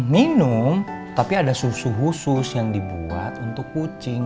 minum tapi ada susu khusus yang dibuat untuk kucing